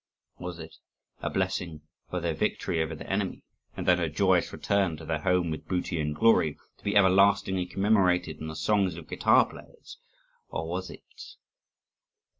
Was it a blessing for their victory over the enemy, and then a joyous return to their home with booty and glory, to be everlastingly commemorated in the songs of guitar players? or was it...?